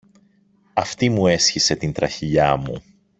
Αυτή μου έσχισε την τραχηλιά μου!